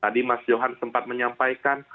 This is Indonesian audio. tadi mas johan sempat menyampaikan